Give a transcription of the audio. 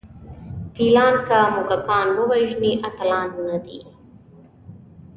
فیلان که موږکان ووژني اتلان نه دي.